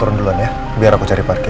mama bosan disini